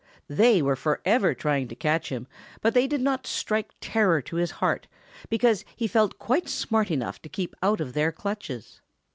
They were forever trying to catch him, but they did not strike terror to his heart because he felt quite smart enough to keep out of their clutches.